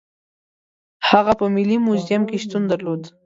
هغه په ملي موزیم کې شتون درلود.